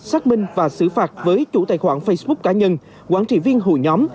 xác minh và xử phạt với chủ tài khoản facebook cá nhân quản trị viên hội nhóm